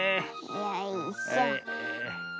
よいしょ。